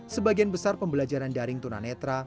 sebagian besar pembelajaran daring tunanetra